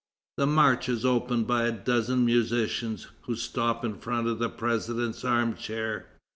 The march is opened by a dozen musicians, who stop in front of the president's armchair.